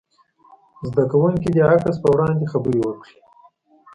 زده کوونکي دې د عکس په وړاندې خبرې وکړي.